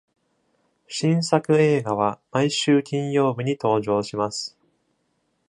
新作映画は毎週金曜日に登場します。